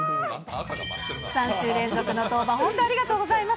３週連続の登場、本当ありがとうございます。